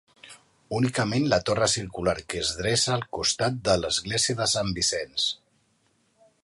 Únicament la torre circular que es dreça al costat de l'església de Sant Vicenç.